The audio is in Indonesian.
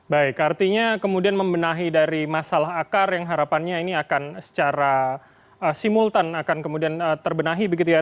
baik artinya kemudian membenahi dari masalah akar yang harapannya ini akan secara simultan akan kemudian terbenahi begitu ya